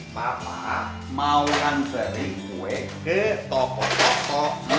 papa mau yang sering kue ke toko toko